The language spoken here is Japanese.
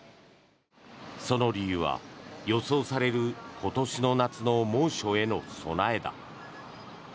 その理由は予想される今年の夏の猛暑への備えだ。